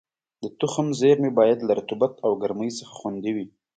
د تخم زېرمې باید له رطوبت او ګرمۍ څخه خوندي وي.